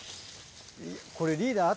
これリーダー。